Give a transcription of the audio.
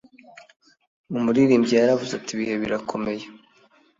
umuririmbyi yaravuze ati “ibihe birakomeye